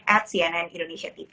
at cnn indonesia tv